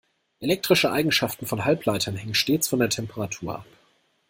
Elektrische Eigenschaften von Halbleitern hängen stets von der Temperatur ab.